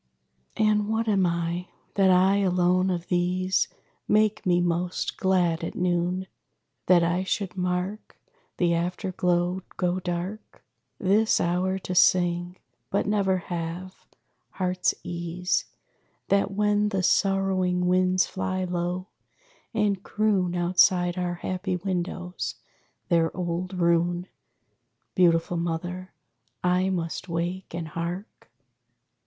And what am I? That I alone of these Make me most glad at noon? That I should mark The after glow go dark? This hour to sing but never have heart's ease! That when the sorrowing winds fly low, and croon Outside our happy windows their old rune, Beautiful Mother, I must wake, and hark?